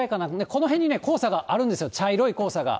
この辺にね、黄砂があるんですよ、茶色い黄砂が。